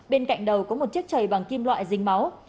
bên cạnh đầu có một chiếc chày bằng kim loại rinh máu